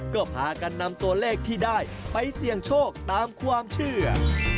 ก็พากันนำตัวเลขที่ได้ไปเสี่ยงโชคตามความเชื่อ